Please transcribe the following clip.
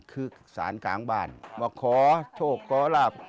คือสารกลางบ้านมาขอโชคขอลาบ